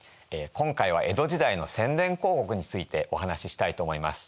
今回は江戸時代の宣伝広告についてお話ししたいと思います。